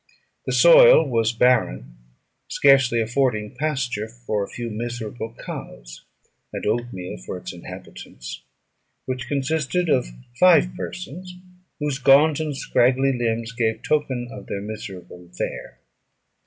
The soil was barren, scarcely affording pasture for a few miserable cows, and oatmeal for its inhabitants, which consisted of five persons, whose gaunt and scraggy limbs gave tokens of their miserable fare.